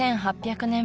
２８００年